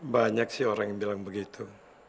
banyak sih orang yang bilang begitu